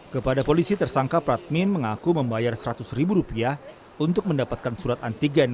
kepada polisi tersangka pradmin mengaku membayar seratus ribu rupiah untuk mendapatkan surat antigen